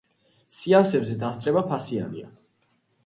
სეანსებზე დასწრება ფასიანია.